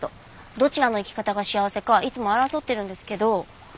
どちらの生き方が幸せかいつも争ってるんですけど。